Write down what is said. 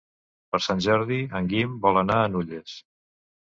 Per Sant Jordi en Guim vol anar a Nulles.